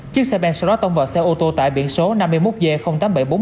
chiếc xe ben sau đó tông vào xe ô tô tải biển số năm mươi một g tám nghìn bảy trăm bốn mươi